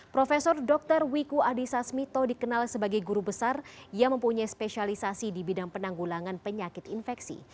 prof dr wiku adhisa smito dikenal sebagai guru besar yang mempunyai spesialisasi di bidang penanggulangan penyakit infeksi